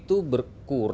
hal ini harus cukup